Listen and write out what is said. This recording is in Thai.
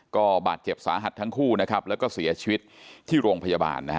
ก็บาดเจ็บสาหัติทั้งคู่แล้วก็เสียชีวิตที่โรงพยาบาล